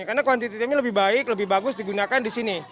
karena kuantitinya lebih baik lebih bagus digunakan disini